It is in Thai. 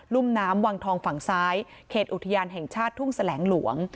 ุ่มน้ำวังทองฝั่งซ้ายเขตอุทยานแห่งชาติทุ่งแสลงหลวง